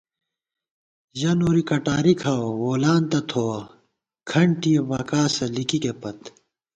ژہ نوری کٹاری کھاوَہ وولانتَنہ، تھووَہ کھنٹِیَہ بَکاسہ لِکِکےپت